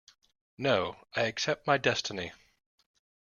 No, I accept my destiny.